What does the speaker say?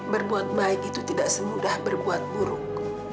berbuat baik itu tidak semudah berbuat buruk